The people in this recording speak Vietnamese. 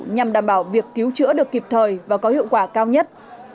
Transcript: nhằm đảm bảo việc cứu chữa được kịp thời và có hiệu quả cao nhất